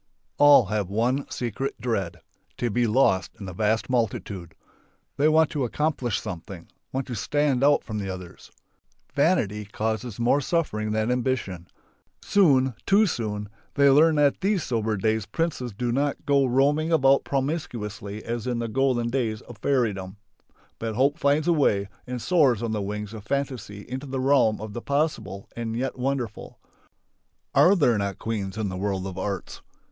All have one secret dread: To be lost in the vast multitude. They want to accomplish something, want to stand out over the others. Vanity causes more suffering than ambition. Soon, too soon, they learn that, these sober days princes do not go roaming about promiscuously as in the golden days of fairydom. But hope finds a way and soars on the wings of fantasy into the realm of the possible and yet wonderful. Are there not queens in the world of arts?